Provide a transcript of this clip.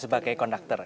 sebagai konduktor ya